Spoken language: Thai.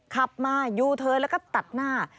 ขับมายูเทิร์นแล้วก็ตัดหน้า